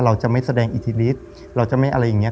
เราจะไม่แสดงอิทธิฤทธิ์เราจะไม่อะไรอย่างนี้